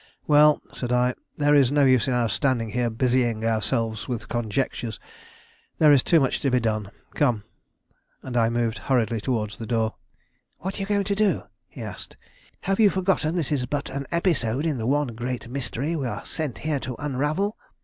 "Well," said I, "there is no use in our standing here busying ourselves with conjectures. There is too much to be done. Come!" and I moved hurriedly towards the door. "What are you going to do?" he asked. "Have you forgotten this is but an episode in the one great mystery we are sent here to unravel?